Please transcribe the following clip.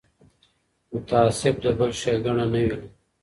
متعصب د بل ښېګڼه نه ویني